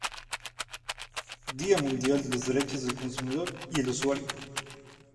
Día Mundial de los Derechos del Consumidor y el Usuario.